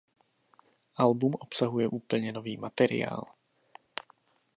Album obsahuje úplně nový materiál.